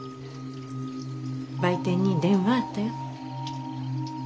売店に電話あったよ。